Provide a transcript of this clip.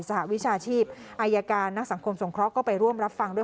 หวิชาชีพอายการนักสังคมสงเคราะห์ก็ไปร่วมรับฟังด้วย